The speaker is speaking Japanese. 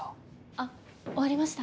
あっ終わりました。